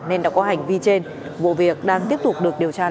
nên đã có hành vi trên vụ việc đang tiếp tục được điều tra làm